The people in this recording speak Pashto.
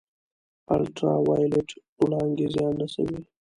الټرا وایلیټ وړانګې زیان رسوي